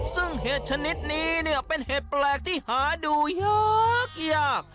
ซึ่งเห็ดชนิดนี้เนี่ยเป็นเห็ดแปลกที่หาดูยาก